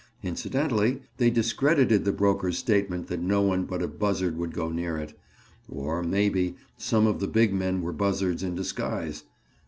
Incidentally, they discredited the broker's statement that no one but a buzzard would go near it. Or, maybe, some of the big men were buzzards in disguise.